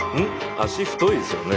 脚太いですよね？